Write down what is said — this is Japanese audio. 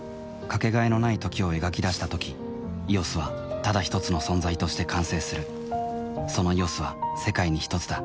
かけがえのない「時」を描き出したとき「ＥＯＳ」はただひとつの存在として完成するその「ＥＯＳ」は世界にひとつだ